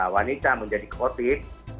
wanita menjadi covid